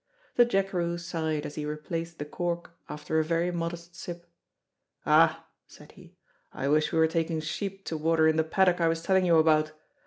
The jackeroo sighed as he replaced the cork after a very modest sip. "Ah!" said he, "I wish we were taking sheep to water in the paddock I was telling you about!